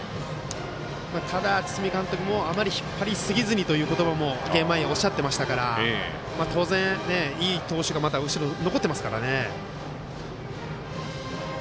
ただ、堤監督もあまり引っ張りすぎずにという言葉もゲーム前におっしゃってましたから当然、いい投手がまだ後ろ、残っていますから。